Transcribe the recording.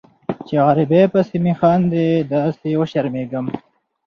چې غریبۍ پسې مې خاندي داسې وشرمیږم